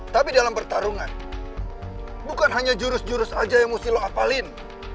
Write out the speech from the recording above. tapi dalam pertarungan bukan hanya jurus jurus aja yang mesti lo apalin